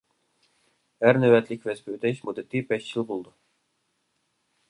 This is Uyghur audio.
ھەر نۆۋەتلىك ۋەزىپە ئۆتەش مۇددىتى بەش يىل بولىدۇ.